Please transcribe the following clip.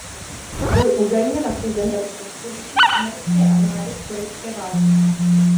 Byl údajně nasazen jako podporučík americké armády v korejské válce.